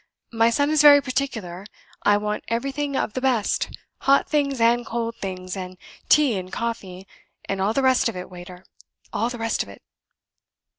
My son is very particular. I want everything of the best hot things and cold things and tea and coffee and all the rest of it, waiter; all the rest of it."